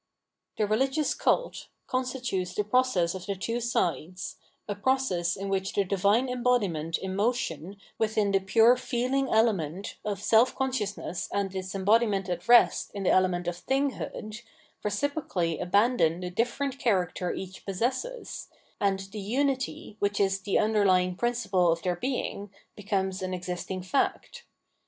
The religious Cult constitutes the process of the two sides — a process in which the divine embodiment in motion within the pure feeling element of self con sciousness and its embodiment at rest in the element of thinghood, reciprocally abandon the different character each' possesses, and the unity, which is the underlying principle of their being, becomes an existing fact.